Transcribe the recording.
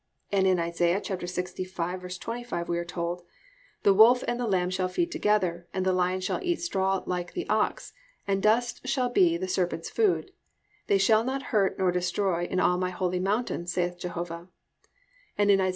"+ And in Isa. 65:25 we are told: +"The wolf and the lamb shall feed together, and the lion shall eat straw like the ox; and dust shall be the serpent's food. They shall not hurt nor destroy in all my holy mountain, saith Jehovah,"+ and in Isa.